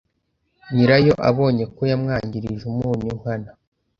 Nyirayo abonye ko yamwangirije umunyu nkana